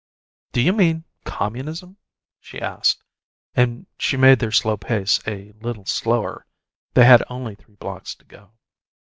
"Do you mean 'communism'?" she asked, and she made their slow pace a little slower they had only three blocks to go.